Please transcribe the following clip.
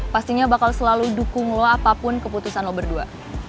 pastinya bakal selalu dukung lo apapun keputusan lo berdua